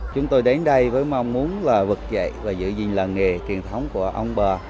chúng tôi đến đây với mong muốn là vực dậy và giữ gìn làng nghề truyền thống của ông bà